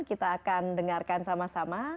kita akan dengarkan sama sama